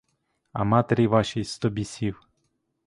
А матері вашій сто бісів!